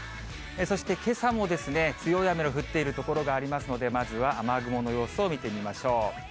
そしてけさも、強い雨の降っている所がありますので、まずは雨雲の様子を見てみましょう。